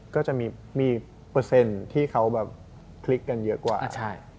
ก็จะมีเปอร์เซ็นต์ที่เขาแบบคลิกกันเยอะกว่า